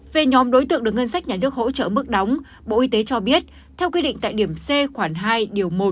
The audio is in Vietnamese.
về nhóm đối tượng được ngân sách nhà nước hỗ trợ mức đóng bộ y tế cho biết theo quy định tại điểm c khoảng hai điều một